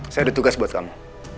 saya ada tugas buat kamu